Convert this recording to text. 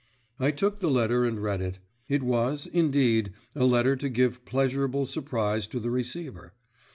I took the letter and read it. It was, indeed, a letter to give pleasurable surprise to the receiver.